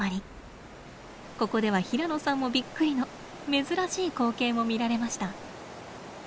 ここでは平野さんもびっくりの珍しい光景も見られました。